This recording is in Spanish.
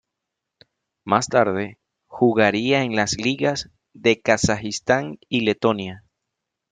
Más tarde, jugaría en la ligas de Kazajistán y Letonia.